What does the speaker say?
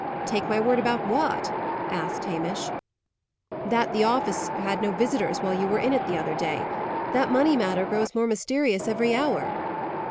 "Take my word about what?" asked Hamish. "That the office had no visitors while you were in it the other day. That money matter grows more mysterious every hour."